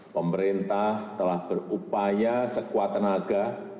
pemerintah telah berupaya sekuat tenaga